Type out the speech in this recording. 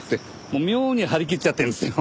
もう妙に張り切っちゃってるんですよ。